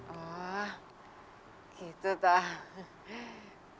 oh gitu tahu